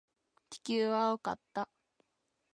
地球は青かった。